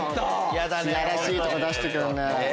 やらしいとこ出してくるね。